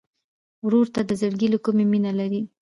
ورور ته د زړګي له کومي مینه لرې.